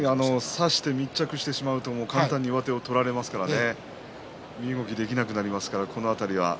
差して密着してしまうと上手を取られてしまいますからね身動きができなくなります。